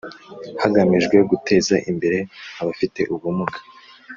hagamijwe guteza imbere abafite ubumuga